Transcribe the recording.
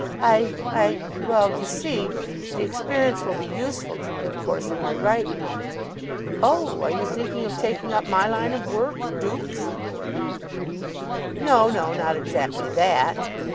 "I I well, you see, the experience will be useful to me, of course, in my writing." "Oh! Are you thinking of taking up my line of work? Dukes?" "No, no not exactly that."